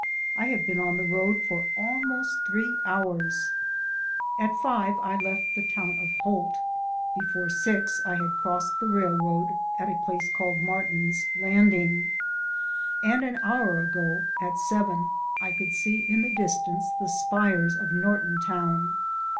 I have been on the road for almost three hours. At five I left the town of Holt, before six I had crossed the railroad at a place called Martin's Landing, and an hour ago, at seven, I could see in the distance the spires of Nortontown.